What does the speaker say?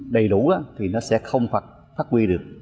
đầy đủ thì nó sẽ không hoặc phát huy được